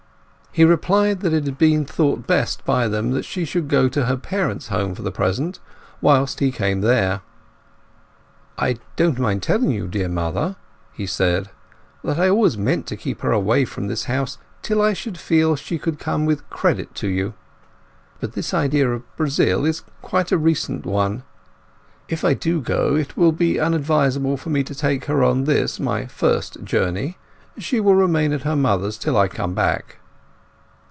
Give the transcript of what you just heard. He replied that it had been thought best by them that she should go to her parents' home for the present, whilst he came there. "I don't mind telling you, dear mother," he said, "that I always meant to keep her away from this house till I should feel she could come with credit to you. But this idea of Brazil is quite a recent one. If I do go it will be unadvisable for me to take her on this my first journey. She will remain at her mother's till I come back."